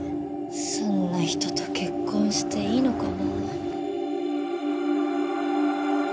そんな人と結婚していいのかな。